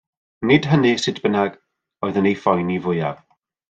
Nid hynny, sut bynnag, oedd yn ei phoeni fwyaf.